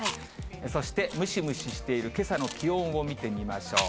そして、ムシムシしているけさの気温を見てみましょう。